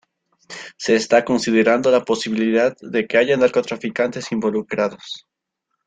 Se está considerando la posibilidad de que haya narcotraficantes involucrados.